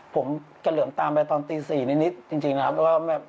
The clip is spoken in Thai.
ผมกระเหลื่อมตามไปตอนตี๔นิดจริงนะครับ